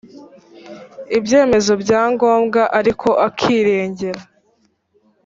ibyemezo bya ngombwa ariko akirengera